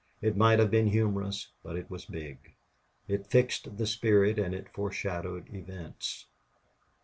It might have been humorous, but it was big. It fixed the spirit and it foreshadowed events.